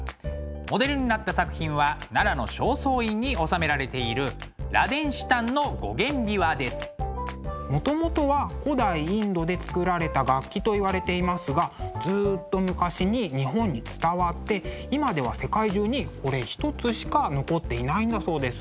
モデルになった作品は奈良の正倉院に収められているもともとは古代インドで作られた楽器といわれていますがずっと昔に日本に伝わって今では世界中にこれ一つしか残っていないんだそうです。